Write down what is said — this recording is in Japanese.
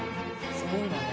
すごいわね。